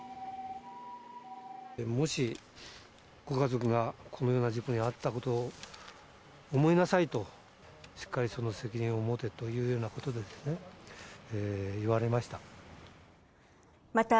もし、ご家族がこのような事故に遭ったことを思いなさいと、しっかりその責任を持てというようなことを言われました。